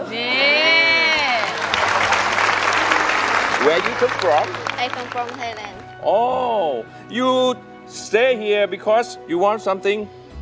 นายรออยู่ที่นี่เพราะอยากให้สิ่งที่สุขของฉัน